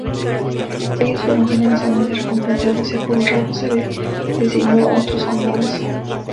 Ellos fueron generosamente recompensados y a Conrado se le designó otros condados.